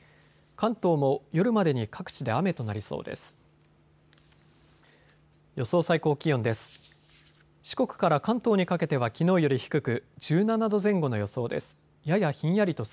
関東も夜までに各地で雨となりそうです。